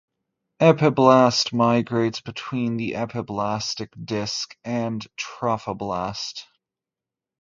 Epiblast migrates between the epiblastic disc and trophoblast.